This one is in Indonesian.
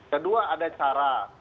kedua ada cara